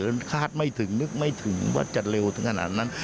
มันคาดไม่ถึงนึกไม่ถึงว่าจะเร็วถึงขนาดนั้น